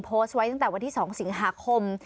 โพสต์ไว้ตั้งแต่วันที่๒สิงหาคม